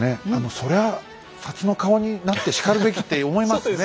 そりゃ札の顔になってしかるべきって思いますね。